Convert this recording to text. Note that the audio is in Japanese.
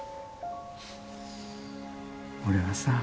俺はさ